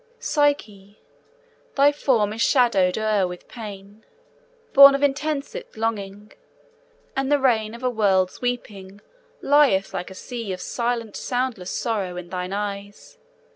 'Psyche'! Thy form is shadowed o'er with pain Born of intensest longing, and the rain Of a world's weeping lieth like a sea Of silent soundless sorrow in thine eyes.